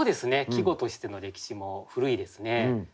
季語としての歴史も古いですね。